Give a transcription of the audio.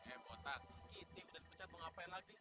eh bos kita udah di pecat mau ngapain lagi